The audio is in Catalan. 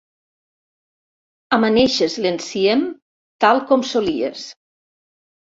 Amaneixes l'enciem tal com solies.